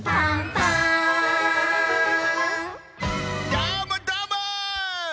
どーもどーも！